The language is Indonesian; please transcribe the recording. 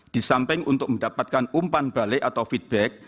di samping untuk mendapatkan umpan balik atau feedback